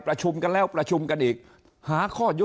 ประชุมกันแล้วประชุมกันอีก